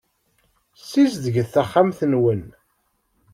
Ssizdget taxxamt-nwen.